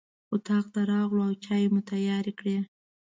اطاق ته راغلو او چای مو تیار کړ.